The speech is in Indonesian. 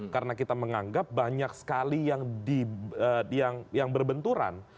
karena kita menganggap banyak sekali yang berbenturan